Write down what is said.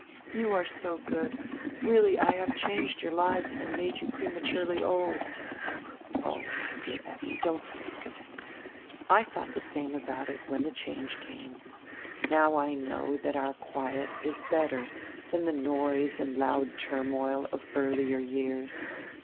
"You are so good. Really I have changed your lives and made you prematurely old." "Oh, my dear Effi, don't speak of it. I diought the same about it, when die change came. Now I know that our quiet is better than die noise and loud turmoil of earlier years.